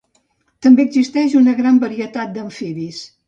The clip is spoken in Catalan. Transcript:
També existeix una gran varietat d'amfibis.